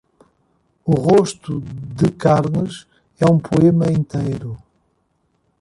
O rosto de Carles é um poema inteiro.